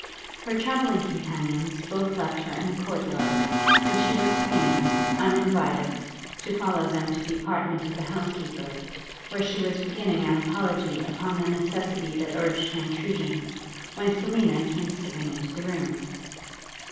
Her travelling companions both left her in the court yard, and she was fain, uninvited, to follow them to the apartment of the housekeeper; where she was beginning an apology upon the necessity that urged her intrusion, when Selina came skipping into the room.